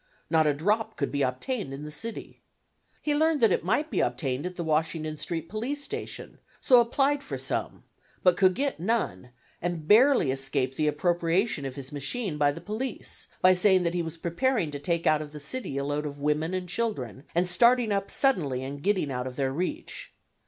Not a drop could be obtained in the city. He learned that it might be obtained at the Washington Street police station, so applied for some, but could get none, and barely escaped the appropriation of his machine by the police, by saying that he was preparing to take out of the city a load of women and children, and starting up suddenly and getting out of their reach.